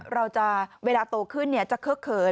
เราเวลาโตขึ้นจะเคลอะเคิร์น